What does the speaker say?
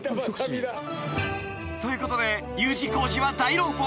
［ということでＵ字工事は大籠包を］